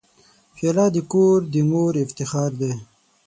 پیاله د کور د مور افتخار دی.